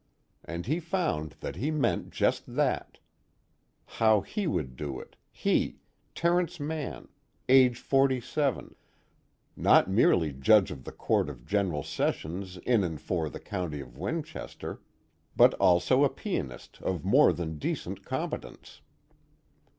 And he found that he meant just that: how he would do it, he, Terence Mann, age forty seven, not merely Judge of the Court of General Sessions in and for the County of Winchester, but also a pianist of more than decent competence.